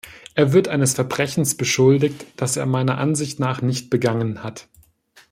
Er wird eines Verbrechens beschuldigt, das er meiner Ansicht nach nicht begangen hat.